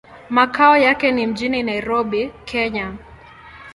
Makao yake ni mjini Nairobi, Kenya.